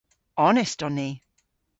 Onest on ni.